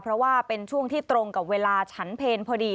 เพราะว่าเป็นช่วงที่ตรงกับเวลาฉันเพลพอดี